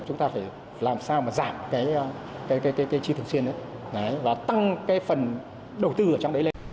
chúng ta phải làm sao mà giảm cái chi thường xuyên đấy và tăng cái phần đầu tư ở trong đấy lên